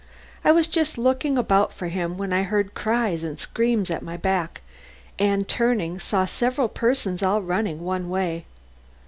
I was just looking about for him when I heard cries and screams at my back, and, turning, saw several persons all running one way.